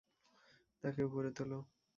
তাকে উপরে তোলো।